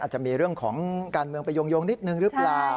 จะมีเรื่องของการเมืองไปโยงนิดนึงหรือเปล่า